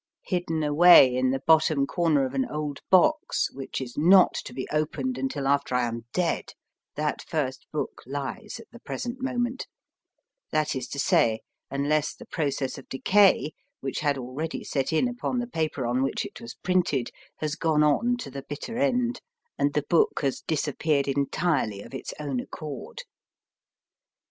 Hidden away in the bottom corner of an old box, which is not to be opened until after I am dead, that first book lies at the present moment ; that is to say, unless the process of decay, which had already set in upon the paper on which it was printed, has gone on to the bitter end, and the book has dis appeared entirely of its own accord.